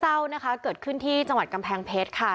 เศร้านะคะเกิดขึ้นที่จังหวัดกำแพงเพชรค่ะ